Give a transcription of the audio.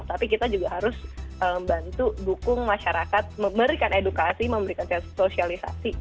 tapi kita juga harus membantu dukung masyarakat memberikan edukasi memberikan sosialisasi